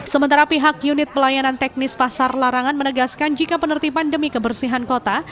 sementara pihak unit pelayanan teknis pasar larangan menegaskan jika penertiban demi kebersihan kota